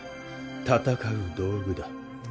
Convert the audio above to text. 戦う道具だ。